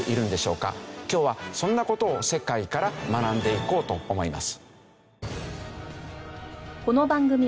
今日はそんな事を世界から学んでいこうと思います。